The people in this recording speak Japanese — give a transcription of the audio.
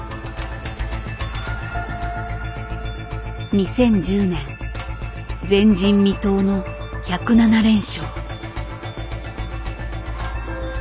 ２０１０年前人未到の１０７連勝。